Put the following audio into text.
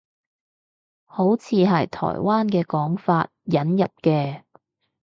好似係台灣嘅講法，引入嘅